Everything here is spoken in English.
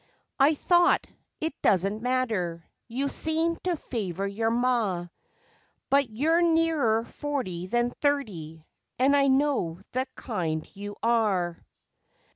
I thought it doesn't matter you seemed to favour your ma, But you're nearer forty than thirty, and I know the kind you are.